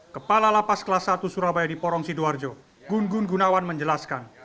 kepala lapas kelas satu surabaya di porong sidoarjo gun gun gunawan menjelaskan